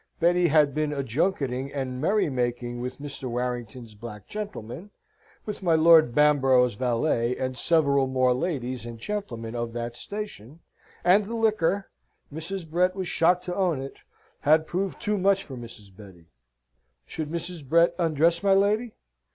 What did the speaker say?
Betty had been a junketing and merry making with Mr. Warrington's black gentleman, with my Lord Bamborough's valet, and several more ladies and gentlemen of that station, and the liquor Mrs. Brett was shocked to own it had proved too much for Mrs. Betty. Should Mrs. Brett undress my lady?